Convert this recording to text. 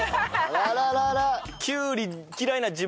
あらららら！